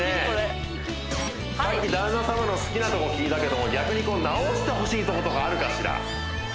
これさっき旦那様の好きなとこ聞いたけども逆に直してほしいとことかあるかしら？